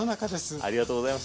ありがとうございます。